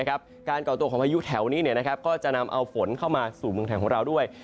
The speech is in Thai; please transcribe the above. ก่อตัวของพายุแถวนี้ก็จะนำเอาฝนเข้ามาสู่เมืองไทยของเราด้วย